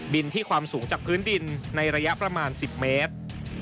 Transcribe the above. ดินที่ความสูงจากพื้นดินในระยะประมาณ๑๐เมตร